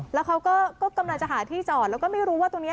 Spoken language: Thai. แล้วเขาก็กำลังจะหาที่จอดแล้วก็ไม่รู้ว่าตรงนี้